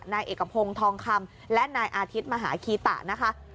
นายเอกพงศ์ทองคำและนายอาทิตย์มหาคีตะนะคะ